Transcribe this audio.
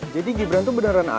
jadi gibran tuh beneran ada